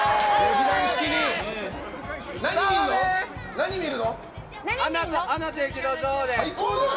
何見るの？